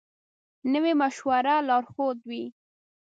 نوی مشوره لارښود وي